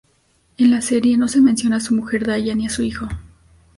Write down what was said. En la serie no se menciona a su mujer Dalla ni a su hijo.